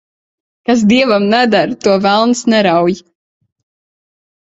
Kas dievam neder, to velns nerauj.